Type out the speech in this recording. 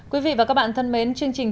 quý vị và các bạn thân mến chương trình